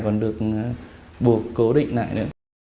còn được buộc cố định lại nữa